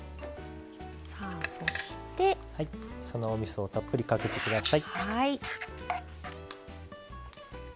そのおみそをたっぷりかけてください。